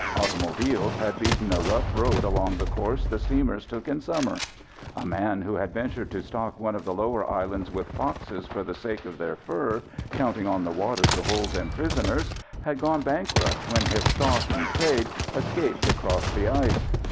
Automobiles had beaten a rough road along the course the steamers took in summer. A man who had ventured to stock one of the lower islands with foxes for the sake of their fur, counting on the water to hold them prisoners, had gone bankrupt when his stock in trade escaped across the ice.